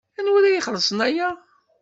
Anwa ara ixellṣen aya?